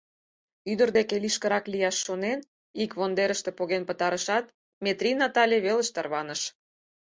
Ӱдыр деке лишкырак лияш шонен, ик вондерыште поген пытарышат, Метрий Натале велыш тарваныш.